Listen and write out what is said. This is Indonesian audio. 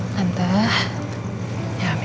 nanti kita balik